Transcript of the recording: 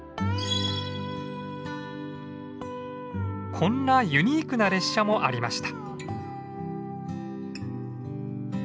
こんなユニークな列車もありました。